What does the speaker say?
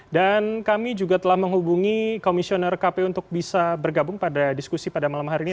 dan kami juga telah menghubungi komisioner kpu untuk bisa bergabung pada diskusi pada malam hari ini